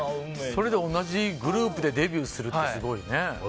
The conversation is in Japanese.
それで同じグループでデビューするってすごいね。